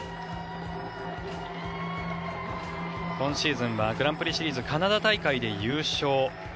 今シーズンはグランプリシリーズカナダ大会で優勝。